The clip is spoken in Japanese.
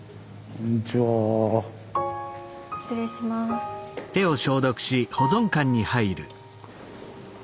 失礼します。